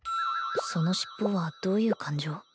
その尻尾はどういう感情？